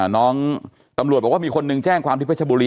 น้องตำรวจบอกว่ามีคนหนึ่งแจ้งความที่เพชรบุรี